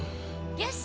よし！